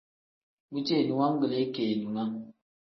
Bu ceeni wangilii keninga.